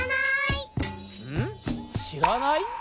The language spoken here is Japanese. うん？しらない？